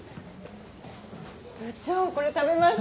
部長これ食べます？